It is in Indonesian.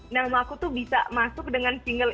nama aku tuh bisa masuk dengan single